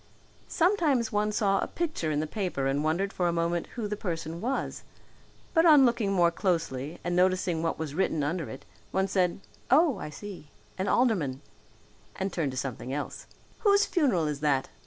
Sometimes one saw a picture in the paper and wondered for a moment who the person was; but on looking more closely and noticing what was written under it, one said, "Oh, I see, an alderman," and turned to something else. "Whose funeral is that?"